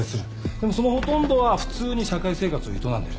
でもそのほとんどは普通に社会生活を営んでる。